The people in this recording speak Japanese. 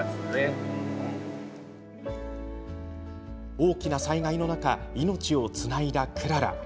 大きな災害の中命をつないだ、くらら。